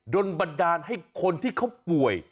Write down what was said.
โดนบันดาลให้คนที่เขาป่วย